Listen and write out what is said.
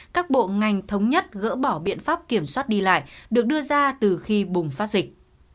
các bộ ngành thống nhất gỡ bỏ biện pháp kiểm soát đi lại được đưa ra từ khi bùng phát dịch